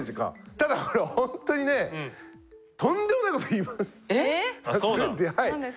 ただこれほんとにねとんでもないこと言います。